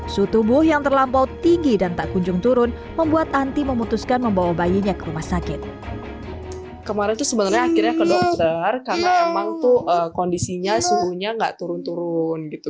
sebenarnya akhirnya ke dokter karena emang tuh kondisinya suhunya gak turun turun gitu